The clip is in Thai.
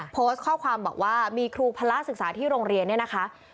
โพสต์ข้อความบอกว่ามีครูพระศึกษาที่โรงเรียนเนี่ยนะคะ